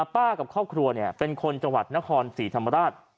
ป้ากับครอบครัวเป็นคนจังหวัดแคลนภภัฐภัพธ์และภาษณ์สี่ธรรมดาตร